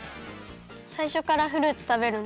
さいしょからフルーツたべるんだ。